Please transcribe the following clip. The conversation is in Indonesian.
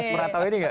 pernah tau ini enggak